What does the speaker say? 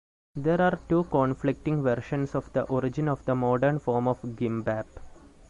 There are two conflicting versions of the origin of the modern form of gimbap.